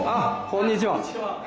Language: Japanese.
こんにちは。